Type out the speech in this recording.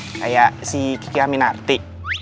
kayak si kiki aminarti